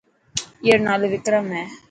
اي رو نالو وڪرم هي.